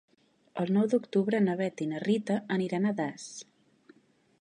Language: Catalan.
El nou d'octubre na Bet i na Rita aniran a Das.